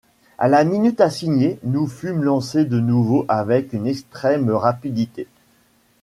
À la minute assignée, nous fûmes lancés de nouveau avec une extrême rapidité.